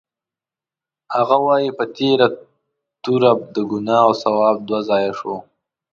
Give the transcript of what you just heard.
هغه وایي: په تېره توره د ګناه او ثواب دوه ځایه شو.